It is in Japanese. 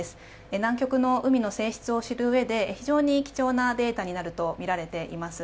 南極の海の性質を知るうえで非常に貴重なデータになるとみられています。